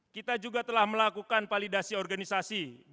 kita juga telah melakukan validasi organisasi